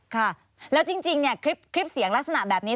ค่ะแล้วจริงเนี่ยคลิปเสียงลักษณะแบบนี้